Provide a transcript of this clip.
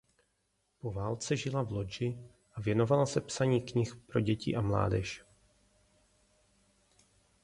Po válce žila v Lodži a věnovala se psaní knih pro děti a mládež.